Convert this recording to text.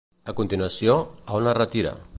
A continuació, a on es retira?